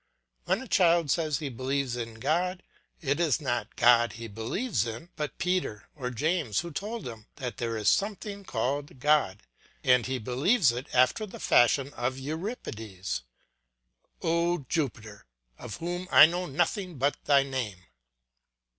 When a child says he believes in God, it is not God he believes in, but Peter or James who told him that there is something called God, and he believes it after the fashion of Euripides "O Jupiter, of whom I know nothing but thy name."